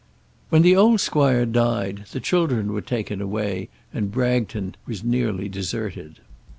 When the old squire died the children were taken away, and Bragton was nearly deserted.